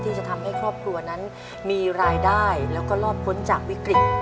ที่จะทำให้ครอบครัวนั้นมีรายได้แล้วก็รอดพ้นจากวิกฤต